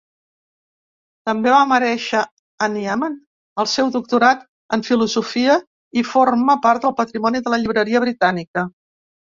També va merèixer a Niemann el seu Doctorat en Filosofia i forma part del patrimoni de la Llibreria Britànica.